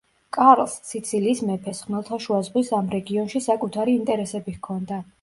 კარლს, სიცილიის მეფეს, ხმელთაშუა ზღვის ამ რეგიონში საკუთარი ინტერესები ჰქონდა.